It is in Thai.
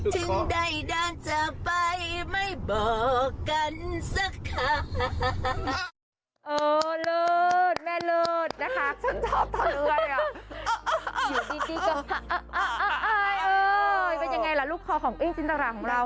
ฉันชอบทำด้วยอ่ะอยู่ดีดีกว่าเป็นยังไงล่ะลูกคอของกิ้งจินตราของเรา